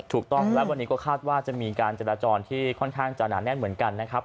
ถูกต้องและวันนี้ก็คาดว่าจะมีการจราจรที่ค่อนข้างจะหนาแน่นเหมือนกันนะครับ